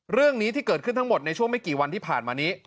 เรื่องนี้ที่เกิดขึ้นทั้งหมดในช่วงไม่กี่วันที่ผ่านมานี้